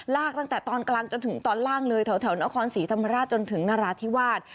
ตั้งแต่ตอนกลางจนถึงตอนล่างเลยแถวนครศรีธรรมราชจนถึงนราธิวาส